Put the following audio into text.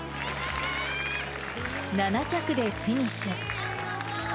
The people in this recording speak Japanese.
７着でフィニッシュ。